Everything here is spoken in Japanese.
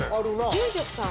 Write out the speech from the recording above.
住職さん？